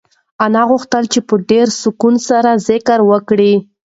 انا غوښتل چې په ډېر سکون سره ذکر وکړي.